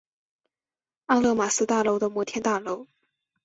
阿勒玛斯大楼的摩天大楼。